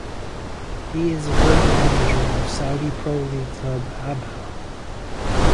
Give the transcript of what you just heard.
He is the current manager of Saudi Pro League club Abha.